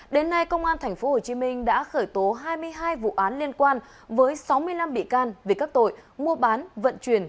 đến nay công an tp hcm đã khởi tố hai mươi hai vụ án liên quan với sáu mươi năm bị can về các tội mua bán vận chuyển